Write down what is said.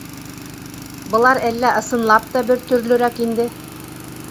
Былар әллә ысынлап та бер төрлөрәк инде?